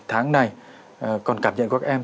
tháng này còn cảm nhận của các em